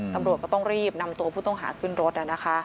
ตำรวจก็ต้องรีบนำตัวผู้ต้องหาขึ้นรถ